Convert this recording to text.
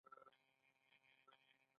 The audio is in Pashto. دوی به د عوامو په ګټه جنګېدل.